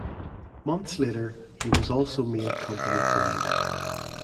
Months later, he was also made company President.